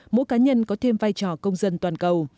mỗi cá nhân có thêm vai trò công dân toàn cầu